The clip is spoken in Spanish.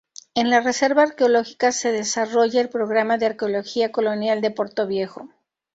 En la Reserva Arqueológica se desarrolla el programa de arqueología colonial de Portoviejo.